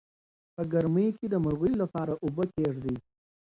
په ګرمۍ کې د مرغیو لپاره اوبه کیږدئ.